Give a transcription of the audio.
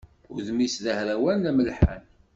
Udem-is d ahrawan, d amelḥan.